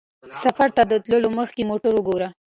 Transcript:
سفر ته د تلو مخکې موټر وګوره.